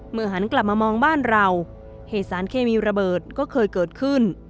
หันกลับมามองบ้านเราเหตุสารเคมีระเบิดก็เคยเกิดขึ้น